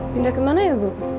pindah kemana ya bu